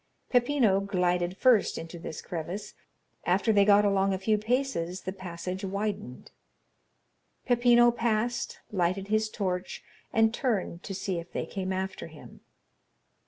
Peppino glided first into this crevice; after they got along a few paces the passage widened. Peppino passed, lighted his torch, and turned to see if they came after him.